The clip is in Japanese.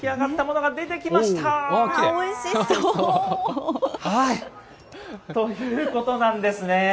おいしそう。ということなんですね。